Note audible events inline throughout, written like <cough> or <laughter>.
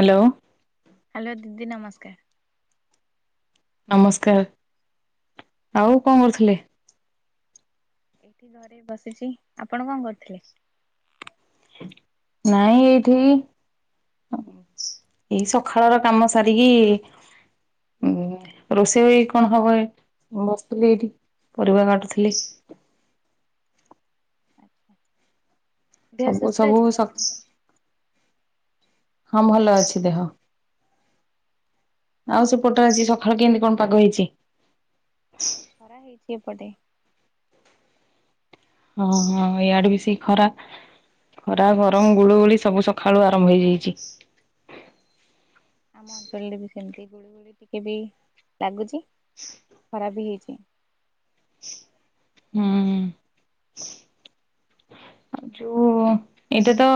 Hello. Hello ଦିଦି ନମସ୍କାର। ନମସ୍କାର ଆଉ କଣ କରୁଥିଲେ? ଏଇଠି ଘରେ ବସିଚି ଆପଣ କଣ କରୁଥିଲେ? ନାଇଁ ଏଇଠି ଏଇ ସକାଳର କାମ ସାରିକି ଉଁ ରୋଷେଇ କଣ ହବ ଏ ବସିଥିଲି ଏଇଠି ପରିବା କାଟୁଥିଲି। ଆଚ୍ଛା। ସବୁ ସବୁ ସ ଆପଣଙ୍କର? ହଁ ଭଲ ଅଛି ଦେହ। ଆଉ ସେପଟାରେ ଆଜି ସକାଳୁ କେମିତି କଣ ପାଗ ହେଇଚି? ଖରା ହେଇଚି ଏପଟେ। ଓଁ ହଁ ଇଆଡ଼େ ବି ସେଇ ଖରା ଖରା ଗରମ ଗୁଳୁଗୁଳି ସବୁ ସକାଳୁ ଆରମ୍ଭ ହେଇଯାଇଚି। ଆମ ଅଞ୍ଚଳରେ ବି ସେମିତି ଗୁଳୁଗୁଳି ଟିକେ ବି ଲାଗୁଚି ଖରାବି ହେଇଚି। ହୁଁ। ଆଉ ଯୋଉ ଏଇଟା ତ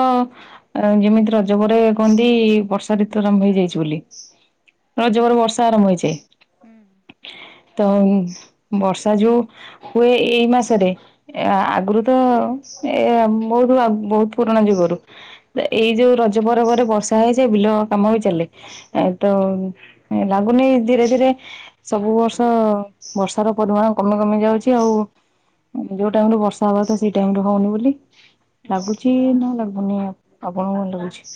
ଆ ଯେମିତି ରଜ ପରେ କହନ୍ତି ବର୍ଷା ଋତୁ ଆରମ୍ଭ ହେଇଯାଇଚି ବୋଲି ରଜ ପରେ ବର୍ଷ ଆରମ୍ଭ ହେଇଯାଏ। ହୁଁ। ତ ବର୍ଷା ଯୋଉ ହୁଏ ଏଇ ମାସରେ ଆ ଆଗରୁ ତ ଏ ମୋଟୁ ବୋହୁତ ପୁରୁଣା ଯୁଗରୁ। ଏଇ ଯୋଉ ରଜ ପରବରେ ବର୍ଷା ହେଇ ସେ ବିଲ କାମ ବି ଚାଲେ। ଏ ତ ଲାଗୁନି ଧୀରେ ଧୀରେ ସବୁ ବର୍ଷ ବର୍ଷାର ପରିମାଣ କମି କମି ଯାଉଚି ଆଉ। ଯୋଉ ଟାଇମରୁ ବର୍ଷା ହେବାଥା ସେଇ ଟାଇମି ରୁ ହଉନି ବୋଲି ନିହାତି ଲାଗୁଚି ନା ଲାଗୁନି ଆପଣଙ୍କୁ ଲାଗୁଚି।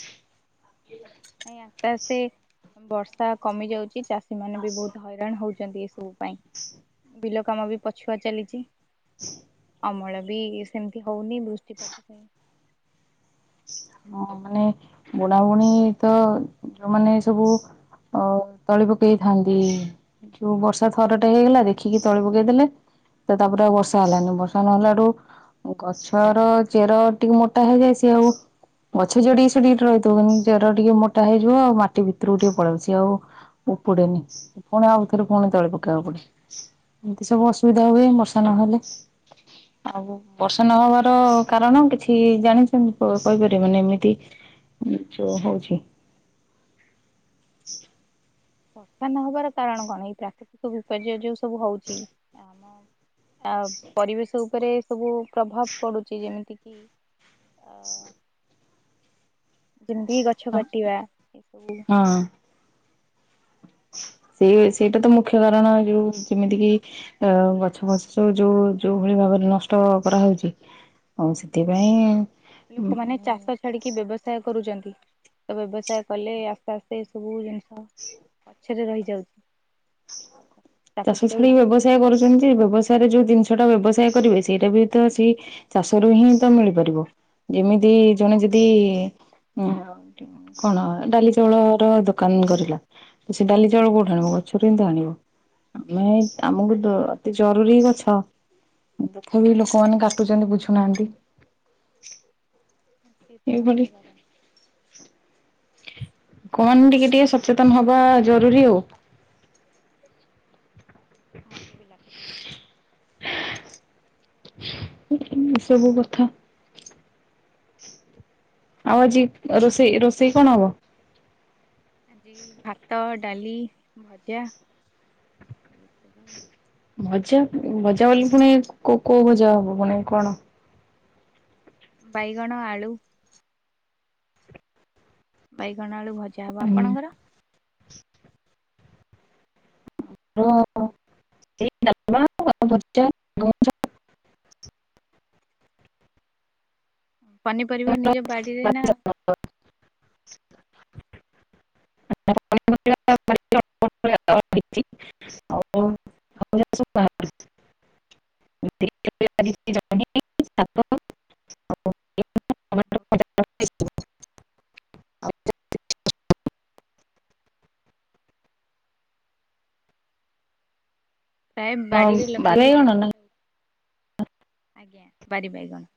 ନାଇଁ ଆସ୍ତେ ଆସ୍ତେ ବର୍ଷା କମି ଯାଉଚି ଚାଷୀ ମାନେ ବି ବହୁତ ହଇରା ଣ ହୋଉଚନ୍ତି ଏ ସବୁ ପାଇଁ ବିଲ କାମ ବି ପଛୁଆ ଚାଲିଚି। <inaudible> ଅମଳ ବି ସେମିତି ହଉନି ବୃଷ୍ଟିପାତ <unintelligible> ହଁ ମାନେ ବୁଣାବୁଣୀ ତ ଯୋଉମାନେ ସବୁ ଅ ତଳି ପକେଇଥାନ୍ତି ଯୋଉ ବର୍ଷା ହଁ ଥରଟେ ହେଇଗଲା ଦେଖିକି ତଳି ପକେଇଦେଲେ ତା ତାପରେ ଆଉ ବର୍ଷା ହେଲାନି ବର୍ଷା ନହେଲା ଆଠୁ ଗଛର ଚେର ଟିକେ ମୋଟା ହେଇଯାଏ ସିଏ ଆଉ ଗଛ ଜେଡିକି ସେଡିକିଟେ ରହିଥିବ କିନ୍ତ ଚେର ଟିକେ ମୋଟ ହେଇଯିବ ଆଉ ମାଟି ଭିତରକୁ ଟିକେ ପଳେଇବ ସିଏ ଆଉ ଉପୁଡେନି ପୁଣି ଆଉ ଥରେ ପୁଣି ତଳି ପକେଇବାକୁ ପଡେ। ଏମତି ସବୁ ଅସୁବିଧା ହୁଏ ବର୍ଷା ନହେଲେ। ଆଉ ବର୍ଷା ନହବାର କାରଣ କିଛି ଜାଣିଛନ୍ତି କହିପାରିବେ। ଗଟେ ମାନେ ଏମିତି ଜୋ ହଉଛି। <unintelligible> ନହବାର କାରଣ କଣ ଏଇ ପ୍ରାକୃତିକ ବିପର୍ଯ୍ୟୟ ଯୋଉ ସବୁ ହଉଚି ଆ ପରିବେଶ ଉପରେ ସବୁ ପ୍ରଭାବ ପଡ଼ୁଚି ଯେମିତିକି ଯେମିତି ଗଛ କାଟିବା ଏସବୁ। ହଁ ସେଇ ସେଇଟା ତ ଯେମିତି ମୁଖ୍ୟ କାରଣ ଯୋଉ ଯେମିତି କିି ଅ ଗଛ ଫସ ସ ଯୋଉ ଯୋଉ ଭଳି ଭାବରେ ନଷ୍ଟ କରାହଉଚି। ହୁଁ ଲୋକମାନେ ଚାଷ ଛାଡ଼ିକି ବ୍ୟବସାୟ କରୁଚନ୍ତି ତ ବ୍ୟବସାୟ କଲେ ଆସ୍ତେ ଆସ୍ତେ ସବୁ ଜିନିଷ ହ ପଛରେ ରହିଯାଉଚି। ଚାଷ ଛାଡିକି ବ୍ୟବସାୟ ବିପର୍ଯ୍ୟୟ କରୁଚନ୍ତି ବ୍ୟବସାୟରେ ଯୋଉ ଜିନିଷ ଟା ବ୍ୟବସାୟ କରିବେ ସେଇଟା ବି ତ ସେଇ ଚାଷ ରୁ ହିଁ ତ ମିଳିପାରିବ ଯେମିତି ଜଣେ ଯେଦି କଣ ଡାଲି ଚାଉଳର ଦୋ କାନ କରିଲା ତ ସେ ଡାଲି ଚାଉଳ କୋଉଠୁ ଆଣିବ ଗଛରୁହିଁ ତ ଆଣିବ। ଆମେ ଆମକୁ ଅତି ଜରୁରୀ ଗଛ ତଥାବି ଲୋକମାନେ କାଟୁଚନ୍ତି ବୁଝୁନାହାନ୍ତି। ସିଏତ ଏଇଭଳି ମୁଖ୍ୟ କାରଣ। କଣ ଟିକେ ଟିକେ ସଚେତନ ହବା ଜରୁରୀ ଆଉ। ମୋତେ ବି ଲାଗୁଚି। <unintelligible> ଏ ସବୁ କଥା। ଆଉ ଆଜି ରୋଷେଇ ରୋଷେଇ କଣ ହବ। ଆଜି ଭାତ ଡାଲି ଭଜା। ଭଜା ଭଜା ବୋଲି ପୁଣି କୋଉ ଭଜା ହବ ପୁଣି କଣ। ବାଇଗଣ ଆଳୁ। ବାଇଗଣ ଆଳୁ ଭଜା ହବ ଆପଣଙ୍କର। <unintelligible> ପନିପରିବା ନିଜେ ବାଡିରେ ନା <unintelligible> <unintelligible> <unintelligible> <unintelligible> ପ୍ରୟେ ବାଡ଼ିରେ ଲଗେଇକି ବାଇଗଣ ନା ଆଜ୍ଞା ବାରି ବାଇଗଣ।